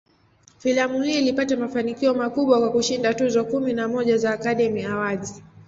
Filamu hii ilipata mafanikio makubwa, kwa kushinda tuzo kumi na moja za "Academy Awards".